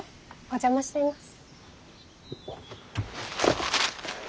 お邪魔しています。